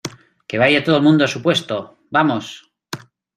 que vaya todo el mundo a su puesto. ¡ vamos!